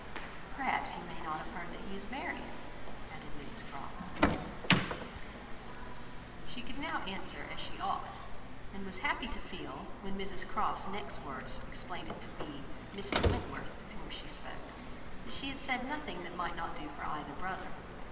"Perhaps you may not have heard that he is married?" added Mrs Croft. She could now answer as she ought; and was happy to feel, when Mrs Croft's next words explained it to be Mr Wentworth of whom she spoke, that she had said nothing which might not do for either brother.